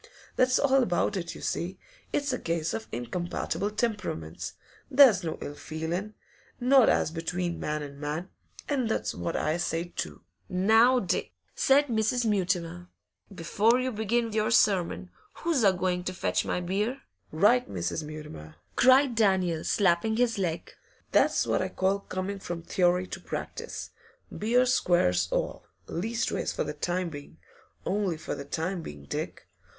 That's all about it, you see; it's a case of incompatible temperaments; there's no ill feelin', not as between man and man, And that's what I say, too.' 'Now, Dick,' said Mrs. Mutimer, 'before you begin your sermon, who's a going to fetch my beer?' 'Right, Mrs. Mutimer!' cried Daniel, slapping his leg. 'That's what I call coming from theory to practice. Beer squares all leastways for the time being only for the time being, Dick.